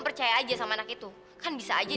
berani apa ya